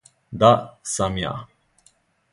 Да сам ја!